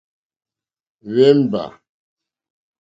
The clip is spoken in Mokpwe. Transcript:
Wěmbà.